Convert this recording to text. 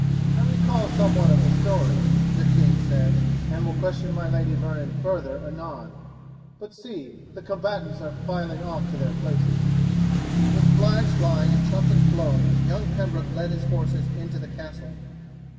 "I recall somewhat of the story," the king said, "and will question my Lady Vernon further anon; but see, the combatants are filing off to their places." With flags flying and trumpets blowing young Pembroke led his forces into the castle.